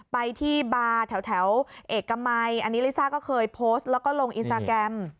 ไปที่บาร์แถวเอกมัยอันนี้ลิซ่าก็เคยโพสต์แล้วก็ลงอินสตาแกรม